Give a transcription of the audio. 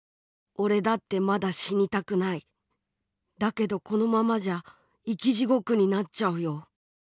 「俺だってまだ死にたくない。だけどこのままじゃ『生きジゴク』になっちゃうよ。